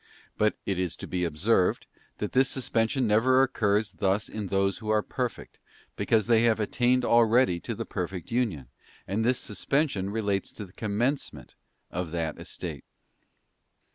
But it is to be observed, that this suspension never occurs thus in those' who are perfect, because they have attained already to the perfect union, and this suspension relates to the commencement of that estate.